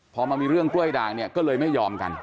พอมามีเรื่องกล้วยด่างเนี่ยก็เลยไม่ยอมกัน